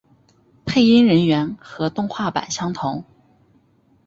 配音人员和动画版相同。